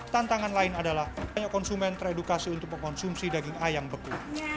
tantangan lain adalah banyak konsumen teredukasi untuk mengkonsumsi daging ayam beku